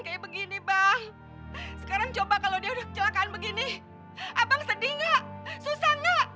kayak begini bah sekarang coba kalau dia udah kecelakaan begini abang sedih nggak susah nggak